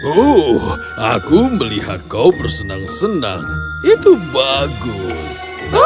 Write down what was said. oh aku melihat kau bersenang senang itu bagus